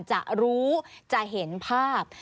จะรู้จะเห็นภาพ